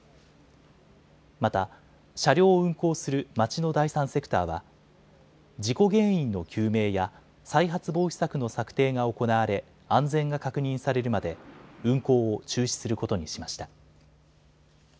また、車両を運行する町の第三セクターは事故原因の究明や再発防止策の策定が行われ安全が確認されるまで運行を中止することにしました。